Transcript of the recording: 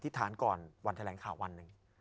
ฐานก่อนวันแถลงข่าววันหนึ่ง